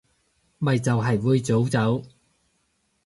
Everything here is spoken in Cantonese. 咪就係會早走